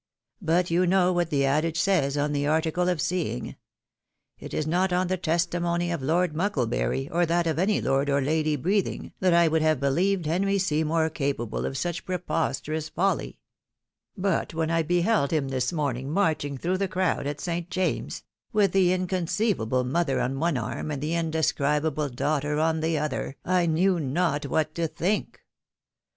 But you know what the adage says on the article of seeing. It is not on the testimony of Lord Mucklebury, or that of any lord or lady breathing, that I would have believed Henry Seymour capable, of such preposterous folly ; but when I beheld him this morning marching through the crowd at St. James's, with the inconceivable mother on one arm, and the indescribable daughter on the other, I knew not what to tliink.